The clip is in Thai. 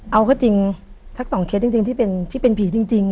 เอาก็จริงทั้งสองเคสจริงที่เป็นผีจริง